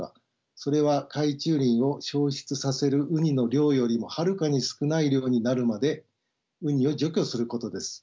それは海中林を消失させるウニの量よりもはるかに少ない量になるまでウニを除去することです。